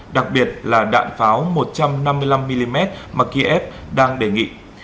đặc biệt là đạn pháo một trăm năm mươi năm mm mà kiev đang đề nghị